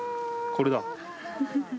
これだ。